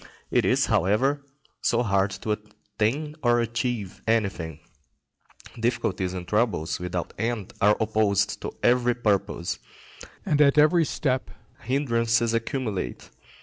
It is, however, so hard to attain or achieve anything; difficulties and troubles without end are opposed to every purpose, and at every step hindrances accumulate.